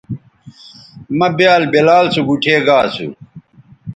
مہ بیال بلال سو گوٹھے گا اسو